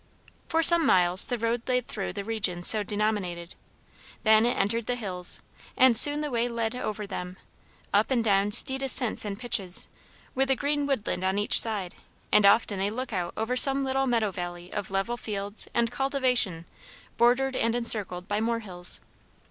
For some miles the road lay through the region so denominated. Then it entered the hills, and soon the way led over them, up and down steep ascents and pitches, with a green woodland on each side, and often a look out over some little meadow valley of level fields and cultivation bordered and encircled by more hills.